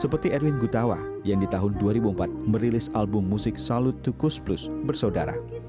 seperti erwin gutawa yang di tahun dua ribu empat merilis album musik salut to kus plus bersaudara